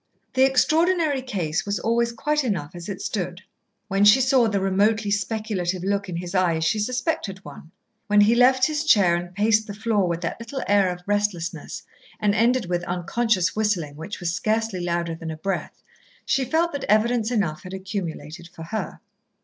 The Extraordinary Case was always quite enough as it stood. When she saw the remotely speculative look in his eye, she suspected one, when he left his chair and paced the floor with that little air of restlessness, and ended with unconscious whistling which was scarcely louder than a breath, she felt that evidence enough had accumulated for her.